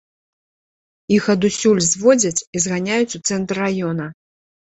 Іх адусюль зводзяць і зганяюць у цэнтр раёна.